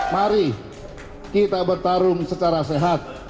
mari kita bertarung secara sehat